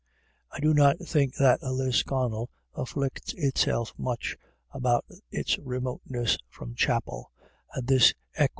I do not think that Lisconnel afflicts itself much about its remoteness from chapel, and this equa THUNDER IN THE AIR.